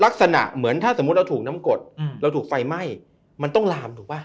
ลักษณะเหมือนถ้าสมมุติเราถูกน้ำกดเราถูกไฟไหม้มันต้องลามถูกป่ะ